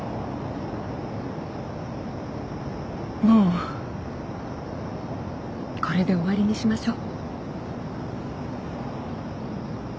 もうこれで終わりにしましょう。